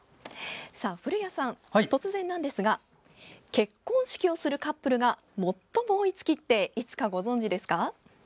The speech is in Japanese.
古谷さん、突然ですが結婚式をするカップルが最も多い月っていつかご存じですか？